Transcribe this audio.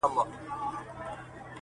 نه یوازي به دي دا احسان منمه،